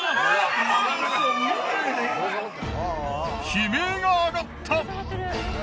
悲鳴が上がった。